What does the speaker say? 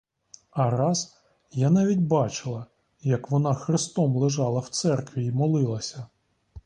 А раз я навіть бачила, як вона хрестом лежала в церкві й молилася.